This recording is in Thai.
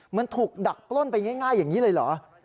มันถูกดักปล้นไปง่ายอย่างนี้เลยเหรอ